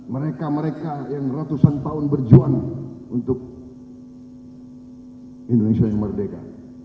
mereka mereka yang ratusan tahun berjuang untuk indonesia yang merdeka